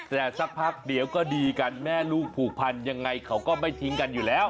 แต่สักพักเดี๋ยวก็ดีกันแม่ลูกผูกพันยังไงเขาก็ไม่ทิ้งกันอยู่แล้ว